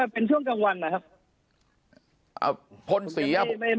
เป็นช่วงกลางวันนะครับ